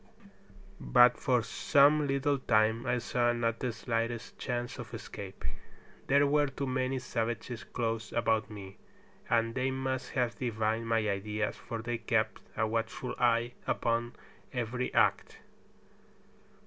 But for some little time I saw not the slightest chance of escape. There were too many savages close about me, and they must have divined my ideas, for they kept a watchful eye upon every act.